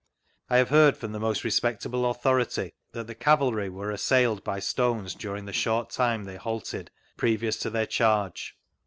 I have heard from the most respectable authority that the cavalry were assailed by stcHies during the short time they halted previous to their charge.